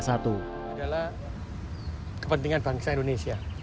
satu adalah kepentingan bangsa indonesia